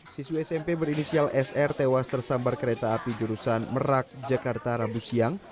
siswi smp berinisial sr tewas tersambar kereta api jurusan merak jakarta rabu siang